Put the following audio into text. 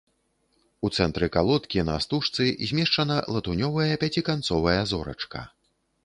У цэнтры калодкі на стужцы змешчана латуневая пяціканцовая зорачка.